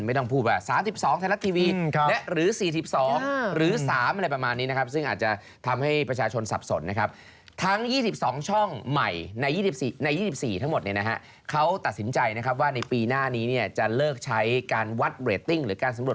ไม่ต้องพูดว่า๓๒ธนัดทีวีหรือ๔๒หรือ๓อะไรประมาณนี้นะครับ